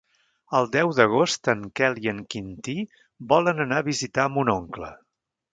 El deu d'agost en Quel i en Quintí volen anar a visitar mon oncle.